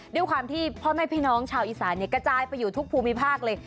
ด้วยความที่พ่อแม่พี่น้องชาวอีสานกระจายไปอยู่ทุกภูมิภาคเลย